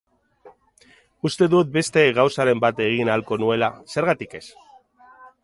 Uste dut beste gauzaren bat egin ahalko nuela, zergatik ez?